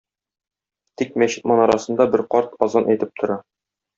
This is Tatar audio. Тик мәчет манарасында бер карт азан әйтеп тора.